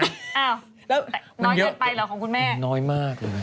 น้อยเยอะไปเหรอของคุณแม่น้อยมากเลย